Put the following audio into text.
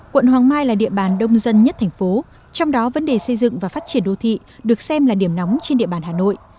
quận hoàng mai là địa bàn đông dân nhất thành phố trong đó vấn đề xây dựng và phát triển đô thị được xem là điểm nóng trên địa bàn hà nội